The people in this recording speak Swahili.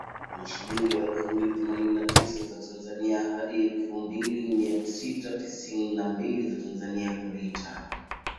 Na shilingi elfu mbili themanini na tisa za Tanzania hadi shilingi elfu mbili mia sita tisini na mbili za Tanzania kwa lita